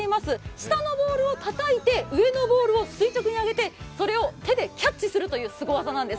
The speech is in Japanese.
下のボールをたたいて、上のボールを垂直に上げて、手でキャッチするというものなんです。